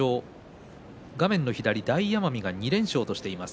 大奄美が２連勝としています。